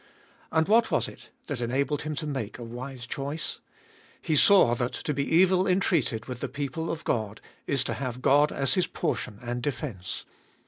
And what was it that enabled him to make a wise choice ? He saw that to be evil entreated with the people of God is to have God as his portion and defence.